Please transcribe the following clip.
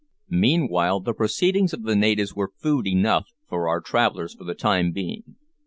Meanwhile the proceedings of the natives were food enough for our travellers for the time being.